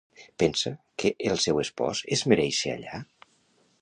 Pensa que el seu espòs es mereix ser allà?